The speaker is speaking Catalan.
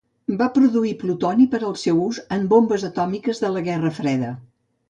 Va produir plutoni per al seu ús en bombes atòmiques de la guerra freda.